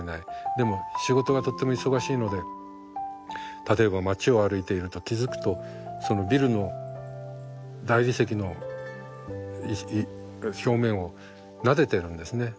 でも仕事がとっても忙しいので例えば街を歩いていると気付くとそのビルの大理石の表面をなでてるんですね。